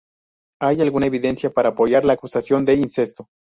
Hay alguna evidencia para apoyar la acusación de incesto.